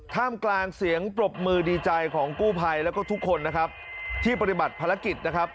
ท่ามกลางเสียงปรบมือดีใจของกู้ภัยแล้วก็ทุกคนนะครับที่ปฏิบัติภารกิจนะครับ